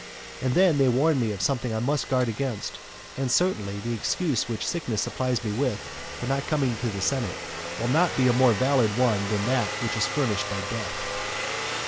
And then they warn me of something which I must guard against; and certainly, the excuse which sickness supplies me with, for not coming to the senate, will not be a more valid one than that which is furnished by death.